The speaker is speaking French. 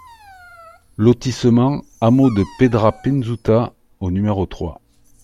Lotissement Hameaux de Petra Pinzuta au numéro trois